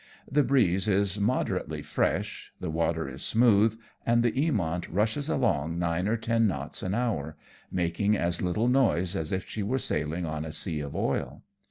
The breeze is moderately fresh, the water is smooth, and the Eamont rushes along nine or ten knots an hour, making as little noise as if she were sailing on a sea of oil.